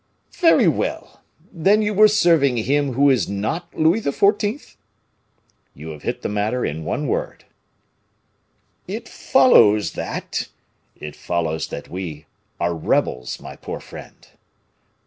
"Very well! Then you were serving him who is not Louis XIV.?" "You have hit the matter in one word." "It follows that " "It follows that we are rebels, my poor friend."